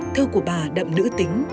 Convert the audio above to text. thơ của bà đậm nữ tính